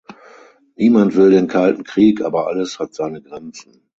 Niemand will den Kalten Krieg, aber alles hat seine Grenzen.